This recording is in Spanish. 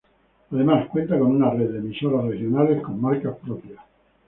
Además, cuenta con una red de emisoras regionales con marcas propias.